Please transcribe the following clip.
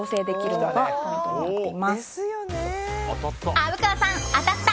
虻川さん当たった！